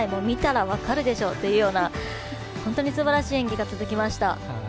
見たら分かるでしょというような本当にすばらしい演技が続きました。